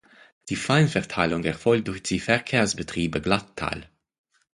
Die Feinverteilung erfolgt durch die Verkehrsbetriebe Glattal.